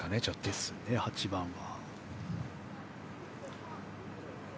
ですね、８番は。